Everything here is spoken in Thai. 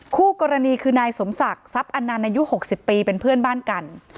คู่กรณีคือนายสมศักดิ์ทรัพย์อนันต์อายุ๖๐ปีเป็นเพื่อนบ้านกัน